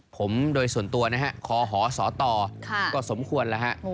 ผมโดยส่วนตัวขอหอสอตรก็สมควร